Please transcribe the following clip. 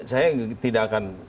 saya tidak akan